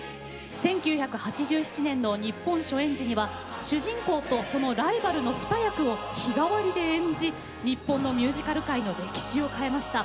１９８７年の日本初演時には主人公とそのライバルの二役を日替わりで演じ日本のミュージカル界の歴史を変えました。